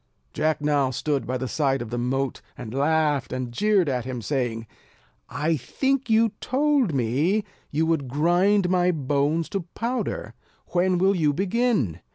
Jack now stood by the side of the moat, and laughed and jeered at him, saying: "I think you told me, you would grind my bones to powder. When will you begin?"